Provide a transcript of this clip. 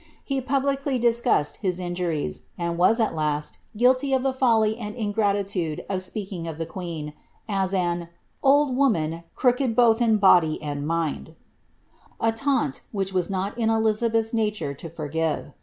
He publicly discussed his injuries, and was, at last, guilty of the folly and ingratitude of speaking of the queen, as an ^ old woman, crooked both in body and mind'' '— a taunt which it was not in Eliza beth's nature to forgive.